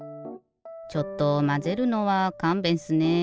ちょっとまぜるのはかんべんっすね。